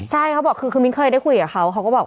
ใช่เขาบอกคือมิ้นเคยได้คุยกับเขาเขาก็บอก